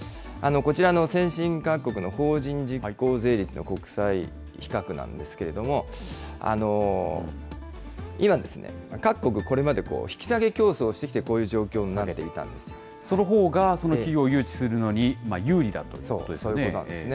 こちらの先進各国の法人実効税率の国際比較なんですけれども、今、各国、これまで引き下げ競争をしてきてこういう状況になっていたそのほうがその企業を誘致すそういうことなんですね。